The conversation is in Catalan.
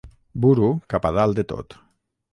Buru 'cap, a dalt de tot'.